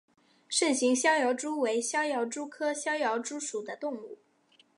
肾形逍遥蛛为逍遥蛛科逍遥蛛属的动物。